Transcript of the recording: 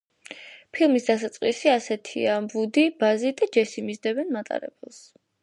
ფილმის დასაწყისი ასეთია: ვუდი, ბაზი და ჯესი მისდევენ მატარებელს.